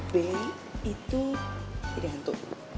be itu jadi hantu